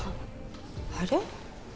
あれ？